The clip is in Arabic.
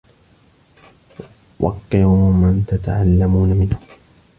وَقِّرُوا مَنْ تَتَعَلَّمُونَ مِنْهُ